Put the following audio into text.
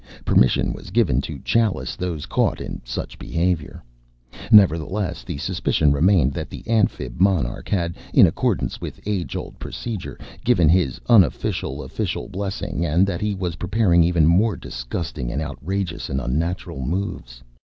Permission was given to Chalice those caught in such behavior. Nevertheless, the suspicion remained that the Amphib monarch had, in accordance with age old procedure, given his unofficial official blessing and that he was preparing even more disgusting and outrageous and unnatural moves.